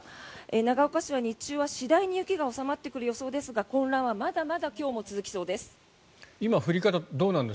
長岡市は日中は次第に雪が収まってくる予想ですが混乱はまだまだ今日も続きそうです。